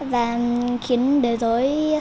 và khiến đời dối